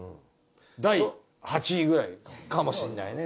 第８位くらい。かもしれないね。